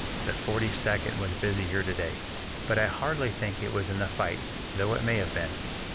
The Forty second was busy here to day, but I hardly think it was in the fight, though it may have been.